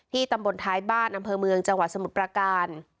ตำบลท้ายบ้านอำเภอเมืองจังหวัดสมุทรประการ